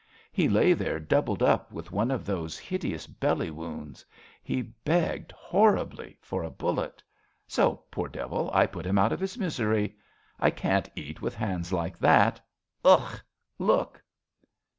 He lay there, doubled up, With one of those hideous belly wounds. He begged, Horribly, for a bullet ; so, poor devil, I put him out of his misery. I can't eat With hands like that. Ugh ! Look